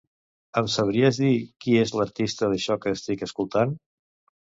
Em sabries dir qui és l'artista d'això que estic escoltant?